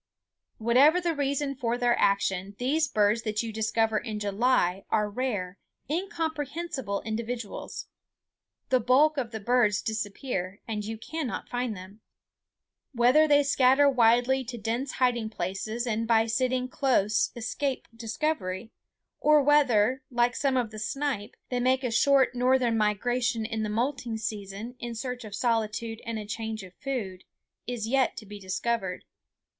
Whatever the reason for their action, these birds that you discover in July are rare, incomprehensible individuals. The bulk of the birds disappear, and you cannot find them. Whether they scatter widely to dense hiding places and by sitting close escape discovery, or whether, like some of the snipe, they make a short northern migration in the molting season in search of solitude and a change of food, is yet to be discovered.